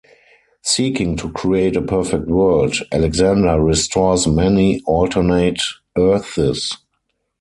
Seeking to create a perfect world, Alexander restores many alternate Earths.